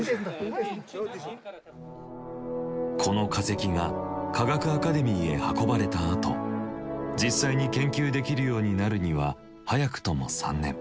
この化石が科学アカデミーへ運ばれたあと実際に研究できるようになるには早くとも３年。